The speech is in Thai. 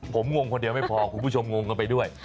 ผมงงคนเดียวไม่พอคุณผู้ชมงงกันไปด้วย